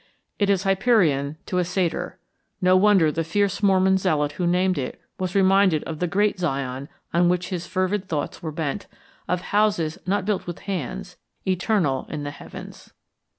It is Hyperion to a Satyr. No wonder the fierce Mormon zealot who named it was reminded of the Great Zion on which his fervid thoughts were bent, of 'houses not built with hands, eternal in the heavens.'"